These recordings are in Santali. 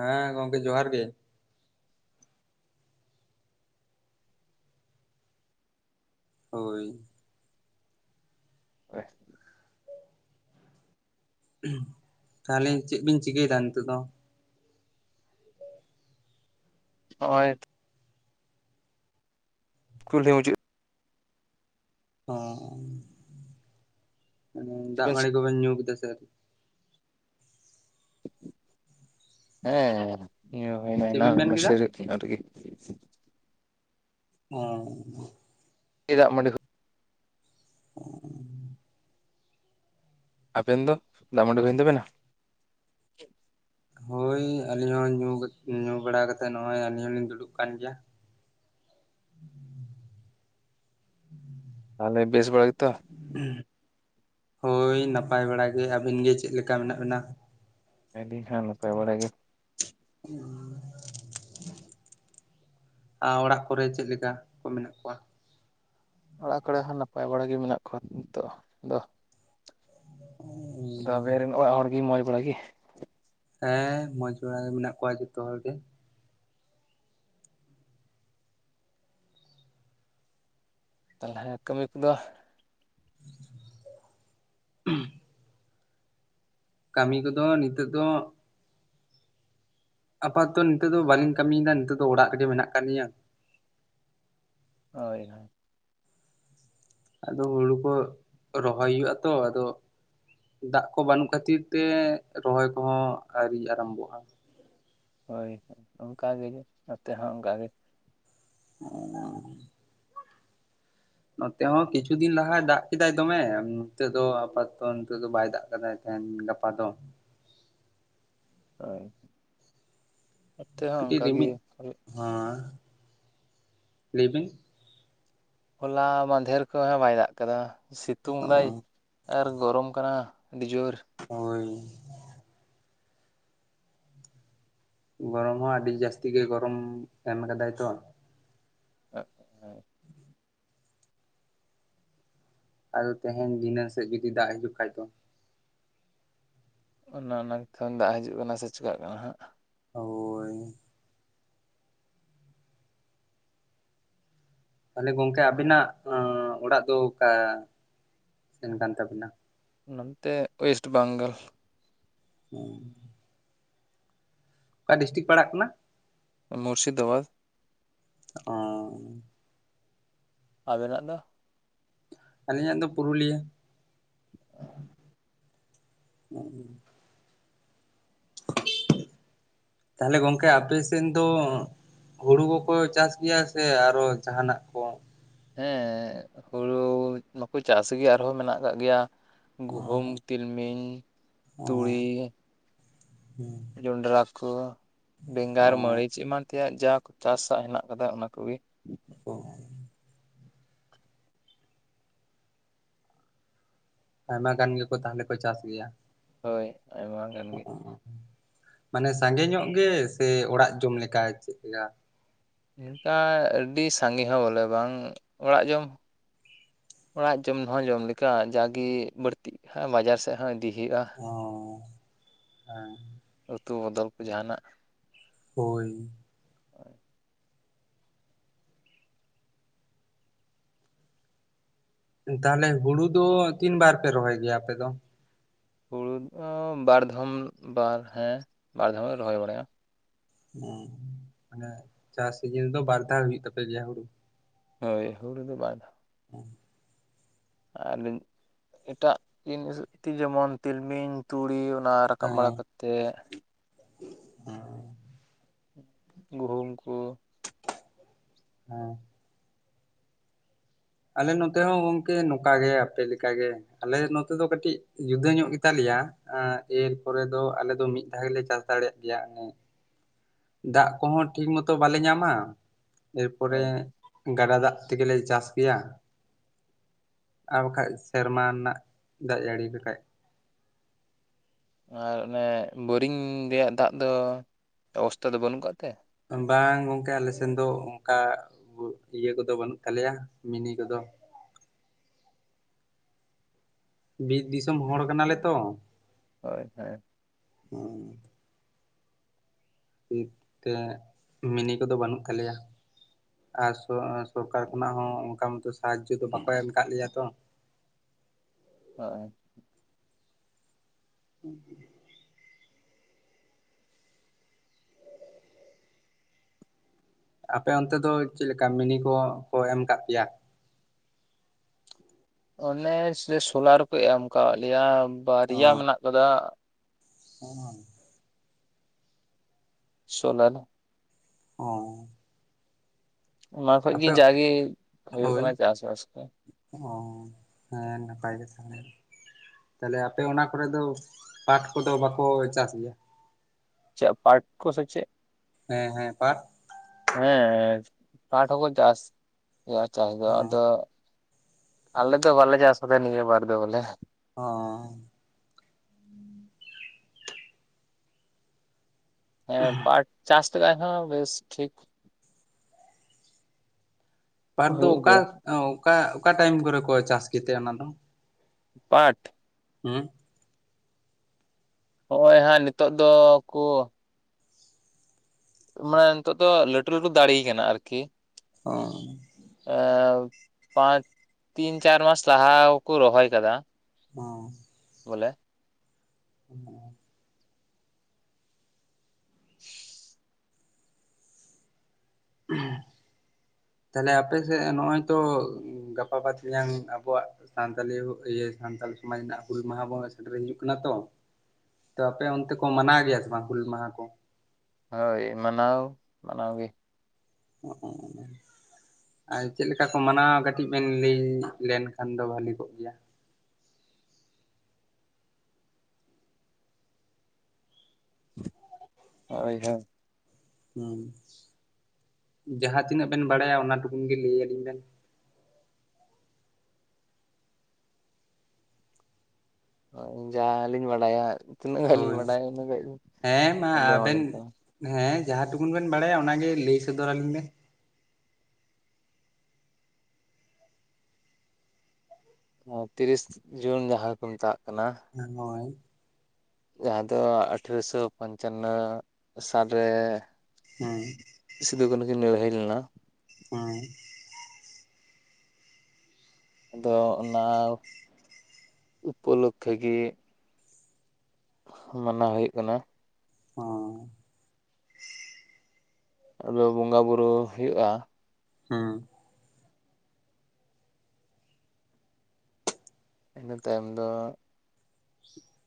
ᱦᱮᱸ ᱜᱚᱝᱠᱮ ᱡᱚᱦᱟᱨ ᱜᱮ ᱦᱳᱭ ᱦᱟᱯᱮ ᱛᱟᱦᱚᱞᱮ ᱪᱮᱜ ᱵᱤᱱ ᱪᱤᱠᱟᱹᱭᱫᱟ ᱱᱤᱛᱚᱜ ᱫᱚ? ᱦᱚᱜᱼᱚᱭ ᱠᱩᱞᱦᱤ ᱢᱩᱪᱟᱹᱫ ᱚ ᱢᱟᱱᱮ ᱪᱮᱫ ᱫᱟᱜ ᱵᱮᱱ ᱢᱟᱹᱲᱤ ᱠᱚᱵᱮᱱ ᱧᱩ ᱠᱤᱫᱟ ᱥᱮ ᱟᱹᱣᱨᱤ ᱦᱮᱸ ᱧᱩ ᱦᱳᱭᱱᱟ ᱪᱮᱫ ᱮᱱᱟᱱ ᱵᱤᱱ ᱢᱮᱱ ᱠᱮᱫᱟ? ᱢᱟᱥᱤᱨᱟᱹᱫ ᱧᱚᱜ ᱨᱮᱜᱮ ᱚ ᱪᱮᱫᱟᱜ ᱢᱟᱸᱰᱤ ᱠᱚ ᱟᱵᱮᱱ ᱫᱚ ᱫᱟᱜ ᱢᱟᱹᱰᱤ ᱦᱩᱭᱮᱱ ᱛᱟᱵᱮᱱᱟ ᱦᱳᱭ ᱟᱹᱞᱤᱧ ᱦᱚᱸ ᱧᱩ ᱠᱟᱛ ᱧᱩ ᱵᱟᱲᱟ ᱠᱟᱛᱮᱫ ᱱᱚᱜᱼᱚᱭ ᱟᱹᱞᱤᱧ ᱦᱩᱞᱤᱧ ᱫᱩᱲᱩᱵ ᱠᱟᱱ ᱜᱮᱭᱟ [unintelligible] ᱛᱟᱦᱚᱞᱮ ᱵᱮᱥ ᱵᱟᱲᱟ ᱜᱮᱛᱚ? ᱦᱳᱭ ᱱᱟᱯᱟᱭ ᱵᱟᱲᱟ ᱜᱮ ᱟᱹᱵᱤᱱ ᱜᱮ ᱪᱮᱜ ᱞᱮᱠᱟ ᱢᱮᱱᱟᱜ ᱵᱤᱱᱟ? ᱟᱹᱞᱤᱧ ᱦᱟᱸᱜ ᱱᱟᱯᱟᱭ ᱵᱟᱲᱟ ᱜᱮ [unintelligible] ᱟ ᱚᱲᱟᱜ ᱠᱚᱨᱮ ᱪᱮᱫᱞᱮᱠᱟ ᱠᱚ ᱢᱮᱱᱟᱜ ᱠᱚᱣᱟ? ᱚᱲᱟᱜ ᱠᱚᱨᱮ ᱦᱚᱸ ᱱᱟᱯᱟᱭ ᱵᱟᱲᱟ ᱜᱮ ᱢᱮᱱᱟᱜ ᱠᱚᱣᱟ ᱱᱤᱛᱚᱜ ᱫᱚ ᱟᱫᱚ ᱟᱵᱮᱱ ᱨᱮᱱ ᱚᱲᱟᱜ ᱦᱚᱲ ᱜᱤ ᱢᱚᱡᱽ ᱵᱟᱲᱟ ᱜᱮ? ᱦᱮᱸ ᱢᱚᱡᱽ ᱵᱟᱲᱟ ᱜᱮ ᱢᱮᱱᱟᱜ ᱠᱚᱣᱟ ᱡᱚᱛᱚ ᱦᱚᱲ ᱜᱮ ᱛᱟᱦᱚᱞᱮ ᱠᱟᱹᱢᱤ ᱠᱚᱫᱚ ᱦᱩᱸ ᱠᱟᱹᱢᱤ ᱠᱚᱫᱚ ᱱᱤᱛᱚᱜ ᱫᱚ ᱟᱯᱟᱛᱚ ᱱᱤᱛᱚᱜ ᱫᱚ ᱵᱟᱹᱞᱤᱧ ᱠᱟᱹᱢᱤᱭᱫᱟ ᱱᱤᱛᱚᱜ ᱫᱚ ᱚᱲᱟᱜ ᱨᱮᱜᱮ ᱢᱮᱱᱟᱜ ᱠᱟᱞᱤᱧᱟ ᱦᱳᱭ ᱦᱳᱭ ᱟᱫᱚ ᱦᱩᱲᱩ ᱠᱚ ᱨᱚᱦᱚᱭ ᱦᱩᱭᱩᱜᱼᱟ ᱛᱚ ᱟᱫᱚ ᱫᱟᱜᱽ ᱠᱚ ᱵᱟᱹᱱᱩᱜ ᱠᱷᱟᱹᱛᱤᱨ ᱛᱮ ᱨᱚᱦᱚᱭ ᱠᱚᱦᱚᱸ ᱟᱹᱨᱤ ᱟᱨᱟᱢᱵᱚᱜᱼᱟ ᱾ ᱦᱳᱭ ᱚᱱᱠᱟᱜᱮ ᱱᱚᱛᱮ ᱦᱚᱸ ᱚᱱᱠᱟᱜᱮ᱾ ᱚᱸᱻ ᱱᱚᱛᱮ ᱦᱚᱸ ᱠᱤᱪᱷᱩ ᱫᱤᱱ ᱞᱟᱦᱟᱭ ᱫᱟᱜᱽ ᱠᱮᱫᱟᱭ ᱫᱚᱢᱮ ᱱᱤᱛᱚᱜ ᱫᱚ ᱟᱯᱟᱫᱚᱛᱚ ᱱᱤᱛᱚᱜ ᱫᱚ ᱵᱟᱭ ᱫᱟᱜᱽ ᱠᱟᱫᱟᱭ᱾ ᱮᱱ ᱜᱟᱯᱟ ᱫᱚ, ᱦᱳᱭ, ᱱᱚᱛᱮ ᱦᱚᱸ ᱠᱟᱹᱴᱤᱡ ᱚᱱᱠᱟ ᱜᱮ ᱨᱤᱢᱤᱜ ᱦᱚᱸ ᱞᱟᱹᱭ ᱵᱤᱱ? ᱦᱚᱞᱟ ᱢᱟᱫᱷᱮᱨ ᱠᱷᱚᱭ ᱦᱚᱸ ᱵᱟᱭ ᱫᱟᱜᱽ ᱠᱟᱫᱟ ᱥᱤᱛᱩᱝ ᱫᱟᱭ ᱟᱨ ᱜᱚᱨᱚᱢ ᱠᱟᱱᱟ ᱟᱹᱰᱤ ᱡᱳᱨ, ᱦᱳᱭ, ᱜᱚᱨᱚᱢ ᱦᱚᱸ ᱟᱹᱰᱤ ᱡᱟᱹᱥᱛᱤ ᱜᱮ ᱜᱚᱨᱚᱢ ᱮᱢ ᱠᱟᱫᱟᱭ ᱛᱚ, ᱦᱮᱸ ᱟᱫᱚ ᱛᱮᱦᱮᱧ ᱫᱷᱤᱱᱟᱹᱝ ᱥᱮᱜ ᱡᱩᱫᱤ ᱫᱟᱜᱽ ᱦᱤᱡᱩᱜ ᱠᱷᱟᱭ ᱫᱚ ᱚᱱᱟ ᱚᱱᱟᱝ ᱛᱚᱝ ᱫᱟᱜᱽ ᱦᱤᱡᱩᱜ ᱠᱟᱱᱟ ᱥᱮ ᱪᱤᱠᱟᱜ ᱠᱟᱱᱟ ᱦᱟᱸᱜ, ᱦᱳᱭ, ᱛᱟᱦᱚᱞᱮ ᱜᱚᱝᱠᱮ ᱟᱵᱤᱱᱟᱜ ᱚᱲᱟᱜ ᱫᱚ ᱚᱠᱟ ᱥᱮᱱ ᱠᱟᱱ ᱛᱟᱵᱤᱱᱟ? ᱱᱚᱱᱛᱮ ᱳᱭᱮᱥᱴ ᱵᱟᱝᱜᱟᱞ᱾ ᱦᱩᱸ, ᱚᱠᱟ ᱰᱤᱥᱴᱤᱠ ᱯᱟᱲᱟᱜ ᱠᱟᱱᱟ, ᱢᱩᱨᱥᱤᱫᱟᱵᱟᱫᱽ᱾ ᱚᱸᱻ ᱟᱵᱮᱱᱟᱜ ᱫᱚ? ᱟᱞᱤᱧᱟᱜ ᱫᱚ ᱯᱩᱨᱩᱞᱤᱭᱟᱹ᱾ ᱛᱟᱞᱦᱮ ᱜᱚᱝᱠᱮ ᱟᱯᱮ ᱥᱮᱱ ᱫᱚ, ᱦᱩᱲᱩ ᱠᱚᱠᱚ ᱪᱟᱥ ᱜᱮᱭᱟ ᱥᱮ ᱟᱨᱚ ᱡᱟᱦᱟᱱᱟᱜ ᱠᱚ, ᱦᱮᱸ ᱦᱩᱲᱩ ᱢᱟᱠᱚ ᱪᱟᱥ ᱜᱮ ᱟᱨᱦᱚᱸ ᱢᱮᱱᱟᱜ ᱠᱟᱜ ᱜᱮᱭᱟ᱾ ᱚ ᱜᱩᱦᱩᱢ ᱛᱤᱞᱢᱤᱧ ᱛᱩᱲᱤ, ᱦᱩᱸ᱾ ᱡᱚᱱᱰᱨᱟ ᱠᱚ ᱚ ᱵᱮᱸᱜᱟᱲ ᱢᱟᱹᱨᱤᱪ ᱮᱢᱟᱱ, ᱛᱮᱭᱟᱜ ᱡᱟᱦᱟᱠᱚ ᱪᱟᱥᱟᱜ ᱦᱮᱱᱟᱜ ᱠᱟᱫᱟ ᱚᱱᱟ ᱠᱚᱜᱮ᱾ ᱚ, ᱟᱭᱢᱟ ᱜᱟᱱ ᱜᱮᱠᱚ ᱛᱟᱦᱚᱞᱮ ᱠᱚ ᱪᱟᱥ ᱜᱮᱭᱟ᱾ ᱦᱳᱭ ᱟᱭᱢᱟ, ᱜᱟᱱ ᱚ ᱜᱮ ᱢᱟᱱᱮ ᱥᱟᱸᱜᱮ ᱧᱚᱜ ᱜᱮ ᱥᱮ ᱚᱲᱟᱜ ᱡᱚᱢ ᱞᱮᱠᱟ ᱪᱮᱜᱭᱟ, ᱮᱱᱠᱟ ᱟᱹᱰᱤ ᱥᱟᱸᱜᱮ ᱦᱚᱸ ᱵᱚᱞᱮ ᱵᱟᱝ ᱚᱲᱟᱜ ᱡᱚᱢ, ᱚᱲᱟᱜ ᱡᱚᱢ ᱦᱚᱸ ᱡᱚᱢ ᱞᱮᱠᱟ ᱡᱟᱜᱤ ᱵᱟᱹᱲᱛᱤᱜ ᱠᱷᱟᱡ ᱵᱟᱡᱟᱨ ᱥᱮᱫ ᱦᱚᱸ ᱤᱫᱤ, ᱦᱤᱭᱩᱜ ᱼᱟ ᱚ ᱦᱮᱸ ᱩᱛᱩ ᱵᱚᱫᱚᱞ ᱠᱚ ᱡᱟᱦᱟᱱᱟᱜ᱾ ᱦᱳᱭ, ᱦᱳᱭ᱾ ᱛᱟᱦᱞᱮ ᱦᱩᱲᱩ ᱫᱚ ᱛᱤᱱ ᱵᱟᱨ ᱯᱮ ᱨᱚᱦᱚᱭ ᱜᱮᱭᱟ ᱟᱯᱮ ᱫᱚ? ᱦᱩᱲᱩ ᱫᱚ ᱵᱟᱨ ᱫᱷᱚᱢ ᱵᱟᱨ ᱦᱮᱸ ᱵᱟᱨᱫᱷᱚᱢ ᱞᱮ ᱨᱚᱦᱚᱭ ᱵᱟᱲᱟᱭᱟ᱾ ᱦᱚᱸ ᱢᱟᱱᱮ ᱪᱟᱥ ᱥᱤᱡᱤᱱ ᱫᱚ ᱵᱟᱨ ᱫᱷᱟᱣ ᱦᱩᱭᱩᱜ ᱛᱟᱯᱮ ᱜᱮᱭᱟ ᱦᱩᱲᱩ, ᱦᱳᱭ ᱦᱩᱲᱩ ᱫᱚ ᱵᱟᱨ ᱫᱷᱟᱣ᱾ ᱦᱚᱸ, ᱟᱨ ᱮᱴᱟᱜ ᱤᱱᱤᱡᱤᱜ ᱛᱤ ᱡᱮᱢᱚᱱ ᱛᱤᱞᱢᱤᱧ ᱛᱩᱲᱤ ᱚᱱᱟ, ᱨᱟᱠᱟᱵ ᱦᱮᱸ ᱵᱟᱲᱟ ᱠᱟᱛᱮᱜᱼᱼ ᱦᱮᱸ ᱜᱩᱦᱩᱢ ᱠᱚᱼᱼ ᱦᱮᱸ ᱟᱞᱮ ᱱᱚᱛᱮ ᱦᱚᱸ ᱜᱚᱝᱠᱮ ᱱᱚᱠᱟ ᱜᱮ ᱟᱯᱮ ᱞᱮᱠᱟ ᱜᱮᱼᱼ ᱟᱞᱮ ᱱᱚᱛᱮ ᱫᱚ ᱠᱟᱹᱴᱤᱡ ᱡᱩᱫᱟᱹ ᱧᱚᱜ ᱜᱮ ᱛᱟᱞᱮᱭᱟ ᱮᱸ ᱮᱨᱯᱚᱨᱮ ᱫᱚ ᱟᱞᱮ ᱫᱚ ᱢᱤᱫ ᱫᱷᱟᱣ ᱜᱮ ᱞᱮ ᱪᱟᱥ ᱫᱟᱲᱮᱭᱟᱜ ᱜᱮᱭᱟ [unintelligible] ᱫᱟᱜ ᱠᱚ ᱦᱚᱸ ᱴᱷᱤᱠ ᱢᱚᱛᱚ ᱵᱟᱞᱮ ᱧᱟᱢᱟ ᱮᱨᱯᱚᱨᱮᱼᱼ ᱦᱳᱭ ᱜᱟᱰᱟ ᱫᱟᱜ ᱛᱮ ᱜᱮ ᱞᱮ ᱪᱟᱥ ᱜᱮᱭᱟ ᱟᱨ ᱵᱟᱠᱷᱟᱡ ᱥᱮᱨᱢᱟ ᱱᱟᱜ ᱫᱟᱜ ᱡᱟᱹᱲᱤ ᱞᱮᱠᱷᱟᱡᱼᱼ ᱟᱨ ᱚᱱᱮ ᱵᱳᱨᱤᱝ ᱨᱮᱭᱟᱜ ᱫᱟᱜ ᱫᱚ ᱚᱵᱚᱥᱛᱟ ᱫᱚ ᱵᱟᱹᱱᱩᱜ ᱠᱟᱜ ᱛᱮ ᱵᱟᱝ ᱜᱚᱝᱠᱮ ᱟᱞᱮ ᱥᱮᱱ ᱫᱚ ᱚᱝᱠᱟ ᱤᱭᱟᱹ ᱠᱚ ᱫᱚ ᱵᱟᱹᱱᱩᱜ ᱛᱟᱞᱮᱭᱟ ᱢᱤᱱᱤ ᱠᱚ ᱫᱚ ᱾ ᱵᱤᱨ ᱫᱤᱥᱚᱢ ᱦᱚᱲ ᱠᱟᱱᱟ ᱞᱮ ᱛᱚ ᱾ ᱦᱳᱭ ᱦᱚᱭ ᱩᱸ [unintelligible] ᱢᱤᱱᱤ ᱠᱚ ᱫᱚ ᱵᱟᱹᱱᱩᱜ ᱛᱟᱞᱮᱭᱟ ᱟᱨ ᱥᱚ ᱥᱚᱨᱠᱟᱨ ᱠᱷᱚᱱᱟᱜ ᱦᱚᱸ ᱚᱝᱠᱟ ᱢᱟ ᱛᱚ ᱥᱟᱦᱟᱡᱡᱚ ᱫᱚ ᱵᱟᱠᱚ ᱮᱢ ᱠᱟᱜ ᱞᱮᱭᱟ ᱛᱚ [inaudible] [inaudible] ᱟᱯᱮ ᱚᱱᱛᱮ ᱫᱚ ᱪᱮᱫ ᱞᱮᱠᱟ ᱢᱤᱱᱤ ᱠᱚ ᱠᱚ ᱮᱢ ᱠᱟᱜ ᱯᱮᱭᱟ ᱚᱱᱮ ᱥᱮ ᱥᱳᱞᱟᱨ ᱠᱚ ᱮᱢ ᱠᱟᱣᱟᱜ ᱞᱮᱭᱟ ᱵᱟᱨᱮᱭᱟ ᱢᱮᱱᱟᱜ ᱠᱟᱫᱟ [inaudible] ᱥᱳᱞᱟᱨᱼᱼ ᱚᱸᱻ ᱚᱱᱟ ᱠᱷᱚᱡ ᱜᱤ ᱡᱟ ᱜᱮ ᱦᱩᱭᱩᱜ ᱦᱳᱭ ᱠᱟᱱᱟ ᱪᱟᱥ-ᱵᱟᱥ ᱠᱚ ᱚ ᱦᱮᱸ ᱱᱟᱯᱟᱭ ᱜᱮ ᱛᱟᱦᱞᱮᱼᱼ ᱛᱟᱦᱞᱮ ᱟᱯᱮ ᱚᱱᱟ ᱠᱚ ᱨᱮ ᱫᱚ ᱯᱟᱴ ᱠᱚ ᱫᱚ ᱵᱟᱠᱚ ᱪᱟᱥ ᱜᱮᱭᱟ ᱪᱮᱜ ᱯᱟᱴ ᱠᱚ ᱥᱮ ᱪᱮᱜᱼᱼ ᱦᱮᱸ ᱦᱮᱸ ᱯᱟᱴᱼᱼ ᱦᱮᱸ ᱯᱟᱴ ᱦᱚᱸ ᱠᱚ ᱪᱟᱥ ᱜᱮᱭᱟ ᱪᱟᱥ ᱫᱚ ᱚ ᱟᱫᱚ, ᱟᱞᱮ ᱫᱚ ᱵᱟᱞᱮ ᱪᱟᱥ ᱠᱟᱫᱟ ᱱᱤᱭᱟᱹ ᱵᱟᱨ ᱫᱚ ᱵᱚᱞᱮᱼᱼ ᱚᱸᱻ ᱮᱸ ᱯᱟᱴ ᱪᱟᱥᱼᱼ ᱨᱮ ᱦᱚᱸ ᱵᱮᱥ ᱴᱷᱤᱠ ᱯᱟᱴ ᱫᱚ ᱦᱩᱭᱩᱜ ᱚᱠᱟ ᱜᱮᱭᱟ ᱚᱠᱟ ᱚᱠᱟ ᱴᱟᱭᱤᱢ ᱠᱚ ᱨᱮ ᱠᱚ ᱪᱟᱥ ᱜᱮ ᱛᱮ ᱚᱱᱟ ᱫᱚ? ᱯᱟᱴ ᱦᱩᱸ ᱦᱚᱸᱜᱼᱚᱭ ᱦᱟᱸᱜ ᱱᱤᱛᱚᱜ ᱫᱚ ᱠᱳᱼᱼ ᱢᱟᱱᱮ ᱱᱤᱛᱚᱜ ᱫᱚ ᱞᱟᱹᱴᱩ ᱞᱟᱹᱴᱩ ᱫᱟᱲᱮ ᱠᱟᱱᱟ ᱟᱨ ᱠᱤᱼᱼ ᱚᱸ ᱮᱸᱣ ᱯᱟᱸᱪ ᱛᱤᱱ ᱪᱟᱨ ᱢᱟᱥ ᱞᱟᱦᱟ ᱠᱚ ᱨᱚᱦᱚᱭ ᱠᱟᱫᱟ [unintelligible] ᱵᱚᱞᱮᱼᱼ [inaudible] [inaudible] [inaudible] ᱛᱟᱦᱞᱮ ᱟᱯᱮᱥᱮᱜ ᱱᱚᱜᱼᱚᱭ ᱛᱚ ᱜᱟᱯᱟ ᱵᱟᱫ ᱢᱮᱭᱟᱝ ᱟᱵᱚᱣᱟᱜ ᱥᱟᱱᱛᱟᱞᱤ ᱤᱭᱟᱹ ᱥᱟᱱᱛᱟᱞ ᱥᱚᱢᱟᱡᱽ ᱨᱮᱱᱟᱜ ᱦᱩᱞ ᱢᱟᱦᱟ ᱵᱚ ᱥᱮᱴᱮᱨ ᱦᱤᱡᱩᱜ ᱠᱟᱱᱟ ᱛᱚ ᱛᱚ ᱟᱯᱮ ᱚᱱᱛᱮ ᱠᱚ ᱢᱟᱱᱟᱣ ᱜᱮᱭᱟ ᱥᱮ ᱵᱟᱝ ᱦᱩᱞ ᱢᱟᱦᱟ ᱠᱚ? ᱦᱳᱭ ᱢᱟᱱᱟᱣ ᱢᱟᱱᱟᱣ ᱜᱮ ᱾ [unintelligible] ᱟᱸ ᱪᱮᱫ ᱞᱮᱠᱟ ᱠᱚ ᱢᱟᱱᱟᱣᱣᱟ ᱠᱟᱹᱴᱤᱡ ᱵᱮᱱ ᱞᱟᱹᱭ ᱧᱚᱜ ᱞᱮᱱᱠᱷᱟᱱ ᱫᱚ ᱵᱷᱟᱹᱞᱤ ᱠᱚᱜ ᱜᱮᱭᱟ ᱾ ᱦᱳᱭ ᱦᱳ ᱾ ᱦᱢ ᱡᱟᱦᱟᱸ ᱛᱤᱱᱟᱹᱜ ᱵᱮᱱ ᱵᱟᱲᱟᱭᱟ ᱚᱱᱟ ᱴᱩᱠᱩᱱ ᱜᱮ ᱞᱟᱹᱭᱟᱞᱤᱧ ᱵᱮᱱ ᱾ ᱦᱳᱭ ᱡᱟᱦᱟᱸᱞᱤᱧ ᱵᱟᱰᱟᱭᱟ ᱛᱤᱱᱟᱹᱜ ᱜᱟᱱ ᱞᱤᱧ ᱦᱳᱭ ᱵᱟᱰᱟᱭᱟ ᱩᱱᱟᱹᱜ ᱜᱟ ᱜᱮ ᱦᱮᱸ ᱢᱟ ᱟᱵᱮᱱ ᱟᱸᱡᱚᱢᱟᱵᱮᱱ ᱠᱟᱱᱟ ᱾ ᱦᱮᱸ ᱡᱟᱦᱟᱸ ᱴᱩᱠᱩᱱ ᱵᱮᱱ ᱵᱟᱲᱟᱭᱟ ᱚᱱᱟᱜᱮ ᱞᱟᱹᱭ ᱥᱚᱫᱚᱨ ᱟᱹᱞᱤᱧ ᱵᱮᱱ ᱾ ᱛᱤᱨᱤᱥ ᱡᱩᱱ ᱡᱟᱦᱟᱸ ᱠᱚ ᱢᱮᱛᱟᱜ ᱠᱟᱱᱟ, ᱦᱳᱭ ᱾ ᱡᱟᱦᱟᱸ ᱫᱚ ᱟᱴᱷᱨᱚᱥᱚ ᱯᱚᱧᱪᱟᱱᱚ ᱥᱟᱞᱨᱮ ᱦᱮᱸ ᱾ ᱥᱤᱫᱩ ᱠᱟᱹᱱᱦᱩ ᱠᱤᱱ ᱞᱟᱹᱲᱦᱟᱹᱭ ᱞᱮᱱᱟ ᱦᱮᱸ ᱾ ᱟᱫᱚ ᱚᱱᱟ ᱩᱯᱚᱞᱚᱠᱷᱮ ᱜᱮ ᱢᱟᱱᱟᱣ ᱦᱩᱭᱩᱜ ᱠᱟᱱᱟ ᱾ ᱦᱢ ᱾ ᱟᱫᱚ ᱵᱚᱸᱜᱟ ᱵᱩᱨᱩ ᱦᱩᱭᱩᱜᱼᱟ ᱾ ᱦᱢ ᱾ ᱤᱱᱟᱹ ᱛᱟᱭᱚᱢ ᱫᱚ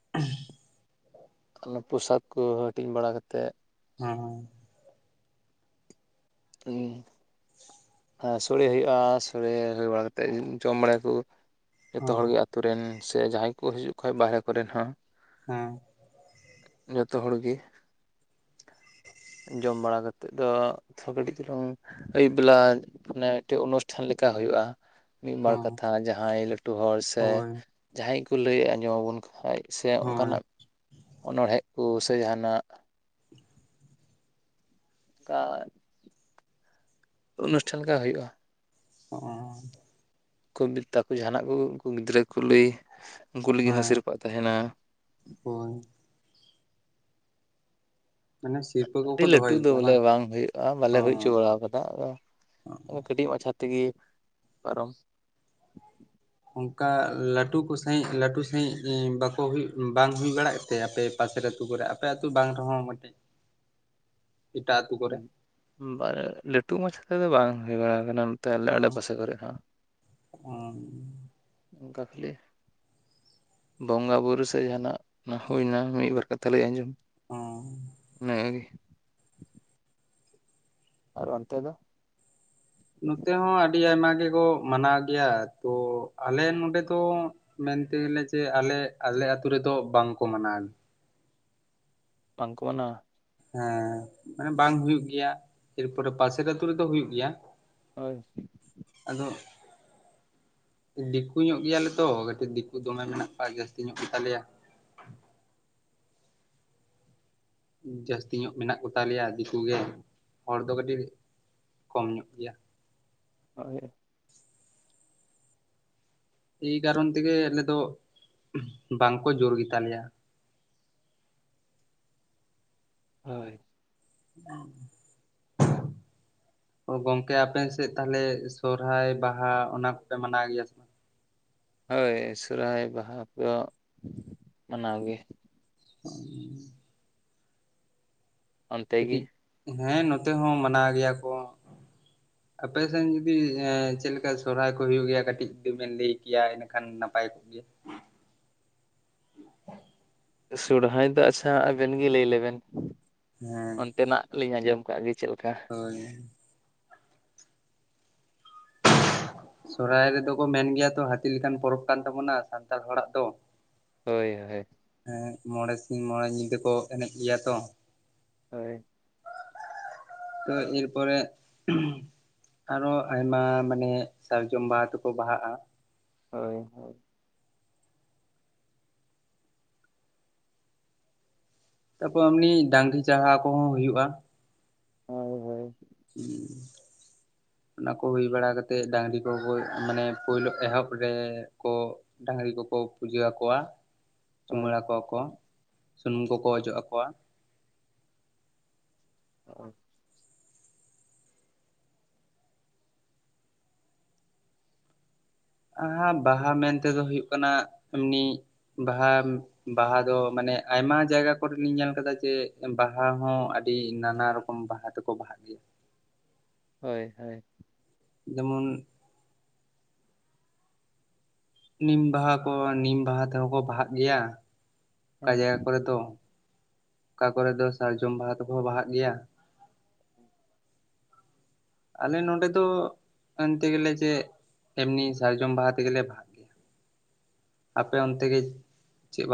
[inaudible] ᱚᱱᱟ ᱯᱳᱨᱥᱟᱫ ᱠᱚ ᱦᱟᱹᱴᱤᱧ ᱵᱟᱲᱟ ᱠᱟᱛᱮᱫ ᱦᱮᱸ ᱦᱮᱸ ᱾ ᱦᱩᱸ ᱾ ᱟ ᱥᱚᱲᱮ ᱦᱩᱭᱩᱜᱼᱟ, ᱥᱚᱲᱮ ᱦᱩᱭ ᱵᱟᱲᱟ ᱠᱟᱛᱮᱫ ᱡᱚᱢ ᱵᱟᱲᱟᱭᱠᱚ ᱡᱚᱛᱚ ᱦᱮᱸ ᱦᱚᱲᱜᱮ ᱟᱹᱛᱩ ᱨᱮᱱ ᱥᱮ ᱡᱟᱦᱟᱸᱭ ᱠᱚᱠᱚ ᱦᱤᱡᱩᱜ ᱠᱷᱟᱱ ᱵᱟᱦᱨᱮ ᱠᱚᱨᱮᱱ ᱦᱚᱸ ᱦᱮᱸ ᱾ ᱡᱚᱛᱚ ᱦᱚᱲ ᱜᱮ ᱡᱚᱢ ᱵᱟᱲᱟ ᱠᱟᱛᱮᱫ ᱫᱚ ᱛᱷ ᱠᱟᱹᱴᱤᱡ ᱪᱩᱞᱚᱝ ᱟᱹᱭᱩᱵ ᱵᱮᱞᱟ ᱢᱟᱱᱮ ᱢᱤᱫᱴᱮᱱ ᱚᱱᱩᱥᱴᱷᱟᱱ ᱞᱮᱠᱟ ᱦᱩᱭᱩᱜᱼᱟ ᱾ ᱢᱤᱫ ᱵᱟᱨ ᱦᱮᱸ ᱠᱟᱛᱷᱟ ᱡᱟᱦᱟᱸᱭ ᱞᱟᱹᱴᱩ ᱦᱚᱲ ᱥᱮ ᱦᱳᱭ ᱡᱟᱦᱟᱸᱭ ᱠᱚ ᱞᱟᱹᱭ ᱟᱸᱡᱚᱢ ᱟᱵᱚᱱ ᱠᱷᱟᱡ, ᱥᱮ ᱦᱳᱭ ᱚᱱᱠᱟᱱᱟᱜ ᱚᱱᱚᱬᱦᱮᱸ ᱠᱚ ᱥᱮ ᱡᱟᱦᱟᱱᱟᱜ ᱚᱠᱟ ᱚᱱᱩᱥᱴᱷᱟᱱ ᱞᱮᱠᱟ ᱦᱩᱭᱩᱜᱼᱟ ᱾ ᱚᱻ [unintelligible] ᱡᱟᱦᱟᱱᱟᱜ ᱠᱚ ᱩᱱᱠᱩ ᱜᱤᱫᱽᱨᱟᱹ ᱠᱚ ᱞᱟᱹᱭ ᱩᱱᱠᱩ ᱞᱟᱹᱜᱤᱫ ᱦᱚᱸ ᱦᱮᱸ ᱥᱮᱨᱯᱟᱹ ᱛᱟᱦᱮᱱᱟ ᱾ ᱦᱳᱭ ᱾ ᱢᱟᱱᱮ ᱥᱤᱨᱯᱟᱹ ᱟᱹᱰᱤ ᱠᱚᱠᱚ ᱞᱟᱹᱴᱩ ᱫᱚᱦᱚᱭ ᱫᱚ ᱜᱮᱭᱟ ᱵᱚᱞᱮ ᱵᱟᱝ ᱦᱩᱭᱩᱜᱼᱟ ᱵᱟᱞᱮ ᱦᱚᱸ ᱦᱩᱭ ᱦᱚᱪᱚ ᱵᱟᱲᱟ ᱠᱟᱫᱟ ᱟᱫᱚ ᱠᱟᱹᱴᱤᱡ ᱢᱟᱪᱷᱟ ᱛᱮᱜᱮ ᱯᱟᱨᱚᱢ ᱚᱱᱠᱟ ᱞᱟᱹᱴᱩ ᱠᱚ ᱥᱟᱺᱦᱤᱡ ᱞᱟᱹᱴᱩ ᱥᱟᱺᱦᱤᱡ ᱵᱟᱠᱚ ᱦᱩᱭᱩᱜ ᱵᱟᱝ ᱦᱩᱭ ᱵᱟᱲᱮᱫ ᱛᱮ ᱟᱯᱮ ᱯᱟᱥᱮᱨᱮ ᱟᱹᱛᱩ ᱠᱚᱨᱮ? ᱟᱯᱮ ᱟᱹᱛᱩ ᱵᱟᱝ ᱨᱮᱦᱚᱸ ᱢᱤᱫᱴᱮᱡ ᱮᱴᱟᱜ ᱟᱹᱛᱩ ᱠᱚᱨᱮ ᱾ ᱞᱟᱹᱴᱩ ᱢᱟᱪᱷᱟ ᱛᱮᱫᱚ ᱵᱟᱝ ᱦᱩᱭ ᱵᱟᱲᱟ ᱠᱟᱱᱟ ᱱᱚᱛᱮ ᱟᱞᱮ ᱟᱰᱮᱯᱟᱥᱮ ᱠᱚᱨᱮ ᱦᱚᱸ ᱦᱢ ᱾ ᱚᱱᱠᱟ ᱠᱷᱟᱹᱞᱤ ᱾ ᱵᱚᱸᱜᱟᱼᱵᱩᱨᱩ ᱥᱮ ᱡᱟᱦᱟᱱᱟᱜ ᱚᱱᱟ ᱦᱩᱭᱱᱟ ᱢᱤᱫᱵᱟᱨ ᱠᱟᱛᱷᱟ ᱞᱟᱹᱭ ᱟᱸᱡᱚᱢ, ᱦᱚᱸ ᱱᱮ ᱟᱣᱨᱤ ᱟᱨ ᱚᱱᱛᱮ ᱫᱚ? ᱱᱚᱛᱮ ᱦᱚᱸ ᱟᱹᱰᱤ ᱟᱭᱢᱟ ᱜᱮᱠᱚ ᱢᱟᱱᱟᱣ ᱜᱮᱭᱟ ᱛᱚ ᱟᱞᱮ ᱱᱚᱰᱮ ᱫᱚ, ᱢᱮᱱᱛᱮᱞᱮ ᱡᱮ ᱟᱞᱮ ᱟᱞᱮ ᱟᱹᱛᱩ ᱨᱮᱫᱚ ᱵᱟᱝᱠᱚ ᱢᱟᱱᱟᱣ ᱜᱮᱭᱟ᱾ ᱵᱟᱝ ᱠᱚ ᱢᱟᱱᱟᱣᱟ? ᱦᱮᱸ ᱢᱟᱱᱮ ᱵᱟᱝ ᱦᱩᱭᱩᱜ ᱜᱮᱭᱟ ᱮᱨᱯᱚᱨᱮ ᱯᱟᱥᱮᱨ ᱟᱹᱛᱩ ᱨᱮᱫᱚ ᱦᱩᱭᱩᱜ ᱜᱮᱭᱟ᱾ ᱦᱳᱭ, ᱟᱫᱚ, ᱫᱤᱠᱩ ᱧᱚᱜ ᱜᱮᱭᱟᱞᱮ ᱛᱚ ᱠᱟᱹᱴᱤᱜ ᱫᱤᱠᱩ ᱫᱚᱢᱮ ᱢᱮᱱᱟᱜ ᱠᱚᱣᱟ ᱡᱟᱹᱥᱛᱤ ᱧᱚᱜ ᱜᱮᱛᱟ ᱞᱮᱭᱟ᱾ ᱡᱟᱹᱥᱛᱤ ᱧᱚᱜ ᱢᱮᱱᱟᱜ ᱠᱚ ᱛᱟᱞᱮᱭᱟ ᱫᱤᱠᱩ ᱜᱮ ᱦᱚᱲ ᱫᱚ ᱠᱟᱹᱴᱤᱜ ᱠᱚᱢ ᱧᱚᱜ ᱜᱮᱭᱟ᱾ ᱦᱳᱭ, ᱮᱭ ᱠᱟᱨᱚᱱ ᱛᱮᱜᱮ ᱟᱞᱮ ᱫᱚ ᱵᱟᱝᱠᱚ ᱡᱳᱨ ᱜᱮ ᱛᱟᱞᱮᱭᱟ, ᱦᱳᱭ, [inaudible] ᱚ ᱜᱚᱝᱠᱮ ᱟᱯᱮ ᱥᱮᱫ ᱛᱟᱦᱚᱞᱮ ᱥᱚᱦᱨᱟᱭ ᱵᱟᱦᱟ ᱚᱱᱟ ᱠᱚᱯᱮ ᱢᱟᱱᱟᱣ ᱜᱮᱭᱟ ᱥᱮ ᱵᱟᱝ? ᱦᱳᱭ ᱥᱚᱦᱨᱟᱭ ᱵᱟᱦᱟ ᱠᱚ ᱢᱟᱱᱟᱣ ᱜᱮ᱾ ᱚᱸ ᱚᱱᱛᱮ ᱜᱮ ᱠᱟᱹᱴᱤᱜ ᱦᱮᱸ ᱱᱚᱛᱮ ᱦᱚᱸ ᱢᱟᱱᱟᱣ ᱜᱮᱭᱟ ᱠᱚ᱾ ᱟᱯᱮ ᱥᱮᱱ ᱡᱩᱫᱤ ᱮᱸ ᱪᱮᱫ ᱞᱮᱠᱟ ᱥᱚᱨᱦᱟᱭ ᱠᱚ ᱦᱩᱭᱩᱜ ᱜᱮᱭᱟ ᱠᱟᱹᱴᱤᱜ ᱡᱩᱫᱤ ᱵᱮᱱ ᱞᱟᱹᱭ ᱠᱮᱭᱟ ᱤᱱᱟᱹᱠᱷᱟᱱ ᱱᱟᱯᱟᱭ ᱠᱚᱜ, ᱠᱚᱜ ᱜᱮᱭᱟ, ᱥᱚᱨᱦᱟᱭ ᱫᱚ ᱟᱪᱪᱷᱟ ᱟᱵᱮᱱ ᱜᱮ ᱞᱟᱹᱭ ᱞᱮᱵᱮᱱ ᱦᱮᱸ ᱚᱱᱛᱮᱱᱟᱜ? ᱞᱤᱧ ᱟᱸᱡᱚᱢ ᱠᱟᱜ ᱜᱮ ᱪᱮᱫ ᱞᱮᱠᱟ, ᱦᱳᱭ, ᱥᱚᱦᱨᱟᱭ ᱨᱮᱫᱚ ᱠᱚ ᱢᱮᱱ ᱜᱮᱭᱟ ᱛᱚ ᱦᱟᱹᱛᱤ ᱞᱮᱠᱟᱱ ᱯᱚᱨᱚᱵᱽ ᱠᱟᱱ ᱛᱟᱵᱚᱱᱟ ᱥᱟᱱᱛᱟᱲ ᱦᱚᱲᱟᱜ ᱫᱚ᱾ ᱦᱳᱭ ᱦᱳᱭ, ᱮᱸ ᱢᱚᱬᱮ ᱥᱤᱧ ᱢᱚᱬᱮ ᱧᱤᱫᱟᱹ ᱠᱚ ᱮᱱᱮᱜ ᱜᱮᱭᱟ ᱛᱚ, ᱦᱳᱭ, [inaudible] ᱛᱚ ᱮᱨ ᱯᱚᱨᱮ ᱟᱨᱚ ᱟᱭᱢᱟ ᱢᱟᱱᱮ, ᱥᱟᱨᱡᱚᱢ ᱵᱟᱦᱟ ᱛᱮᱠᱚ ᱵᱟᱦᱟᱜᱼᱟ᱾ ᱦᱳᱭ ᱦᱳᱭ᱾ ᱛᱟᱯᱚᱨ ᱮᱢᱱᱤ ᱰᱟᱝᱜᱨᱤ ᱪᱟᱦᱟᱣ ᱠᱚᱦᱚᱸ ᱦᱩᱭᱩᱜᱼᱟ᱾ ᱦᱳᱭ ᱦᱳᱭ, ᱦᱩᱸ ᱚᱱᱟ ᱠᱚ ᱦᱩᱭ ᱵᱟᱲᱟ ᱠᱟᱛᱮᱜ ᱰᱟᱝᱨᱤ ᱠᱚ ᱢᱟᱱᱮ ᱯᱳᱭᱞᱳ ᱮᱦᱚᱵ ᱨᱮᱠᱚ, ᱰᱟᱝᱜᱨᱤ ᱠᱚᱠᱚ ᱯᱩᱡᱟᱹ ᱟᱠᱚᱣᱟ᱾ ᱦᱳᱭ ᱪᱩᱢᱟᱹᱲᱟ ᱠᱚᱣᱟ ᱠᱚ ᱥᱩᱱᱩᱢ ᱠᱚᱠᱚ ᱚᱡᱚᱜ ᱟᱠᱚᱣᱟ, ᱚ, ᱟᱦᱟ ᱵᱟᱦᱟ ᱢᱮᱱᱛᱮᱫᱚ ᱦᱩᱭᱩᱜ ᱠᱟᱱᱟ ᱮᱢᱱᱤ ᱵᱟᱦᱟ, ᱵᱟᱦᱟ ᱫᱚ ᱢᱟᱱᱮ ᱟᱭᱢᱟ ᱡᱟᱭᱜᱟ ᱠᱚᱨᱮ ᱞᱤᱧ ᱧᱮᱞ ᱠᱟᱫᱟ ᱡᱮ ᱵᱟᱦᱟ ᱦᱚᱸ ᱟᱹᱰᱤ ᱱᱟᱱᱟ ᱨᱚᱠ, ᱠᱚᱢ ᱵᱟᱦᱟ ᱛᱮᱠᱚ ᱵᱟᱦᱟᱜ ᱜᱮᱭᱟ᱾ ᱦᱳᱭ ᱦᱳᱭ, ᱡᱮᱢᱚᱱ, ᱱᱤᱢ ᱵᱟᱦᱟ ᱠᱚ ᱱᱤᱢ ᱵᱟᱦᱟ ᱛᱮᱦᱚᱸ ᱠᱚ ᱵᱟᱦᱟᱜ ᱜᱮᱭᱟ ᱚᱠᱟ ᱡᱟᱭᱜᱟ ᱦᱳᱭ ᱠᱚᱨᱮ ᱫᱚ ᱚᱠᱟ ᱠᱚᱨᱮᱫᱚ ᱥᱟᱨᱡᱚᱢ ᱵᱟᱦᱟ ᱛᱚᱠᱚ ᱵᱟᱦᱟᱜ ᱜᱮᱭᱟ᱾ ᱟᱞᱮ ᱱᱚᱰᱮ ᱫᱚ ᱮᱱᱛᱮ ᱜᱮᱞᱮ ᱡᱮ ᱮᱢᱱᱤ ᱥᱟᱨᱡᱚᱢ ᱵᱟᱦᱟ ᱛᱮᱜᱮᱞᱮ ᱵᱟᱦᱟᱜᱼᱟ ᱟᱯᱮ ᱚᱱᱛᱮ ᱜᱮ ᱪᱮᱫ